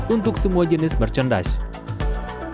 untuk semua jenis merchandise